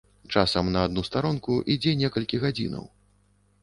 Часам на адну старонку ідзе некалькі гадзінаў.